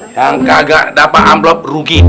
yang kagak dapat amplop rugi